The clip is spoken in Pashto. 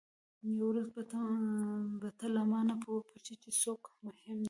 یوه ورځ به ته له مانه وپوښتې چې څوک مهم دی.